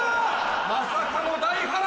まさかの大波乱！